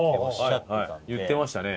言ってましたね。